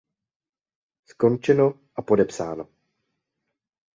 Skončeno a podepsáno.